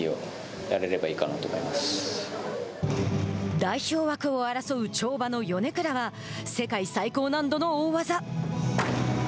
代表枠を争う跳馬の米倉は世界最高難度の大技。